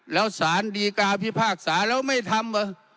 แล้วสารดีการณ์พิพากษาแล้วไม่ทำ